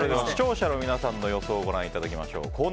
視聴者の皆さんの予想をご覧いただきましょう。